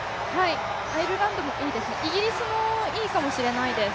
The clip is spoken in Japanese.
アイルランドもいいです、イギリスもいいかもしれないです。